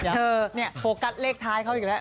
เธอเนี่ยโฟกัสเลขท้ายเขาอีกแล้ว